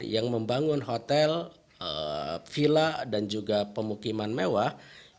yang membangun hotel villa dan juga pemukiman mewah